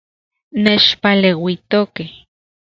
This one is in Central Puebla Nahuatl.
Nechpaleuijtokej